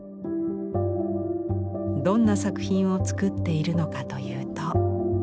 どんな作品を作っているのかというと。